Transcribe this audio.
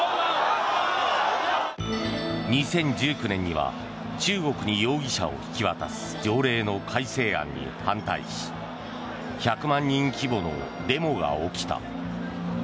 ２０１９年には中国に容疑者を引き渡す条例の改正案に反対し１００万人規模のデモが起きた。